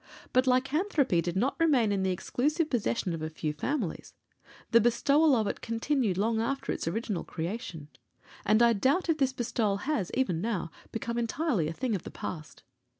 But lycanthropy did not remain in the exclusive possession of a few families; the bestowal of it continued long after its original creation, and I doubt if this bestowal has, even now, become entirely a thing of the past.